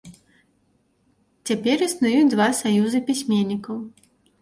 Цяпер існуюць два саюзы пісьменнікаў.